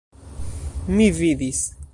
Mi vidis!